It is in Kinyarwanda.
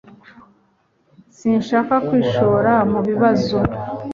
Sinshaka kwishora mu bibazo